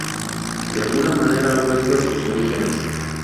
De alguna manera, ha vuelto a sus orígenes.